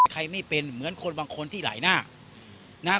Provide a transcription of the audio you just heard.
ใครไม่เป็นเหมือนคนบางคนที่หลายหน้านะครับ